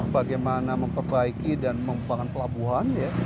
bagaimana memperbaiki dan membangun pelabuhan